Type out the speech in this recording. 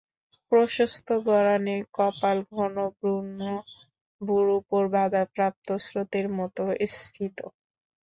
প্রশস্ত গড়ানে কপাল ঘন ভ্রূর উপর বাধাপ্রাপ্ত স্রোতের মতো স্ফীত।